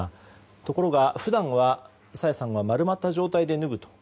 ところが普段、朝芽さんは丸まった状態で脱ぐと。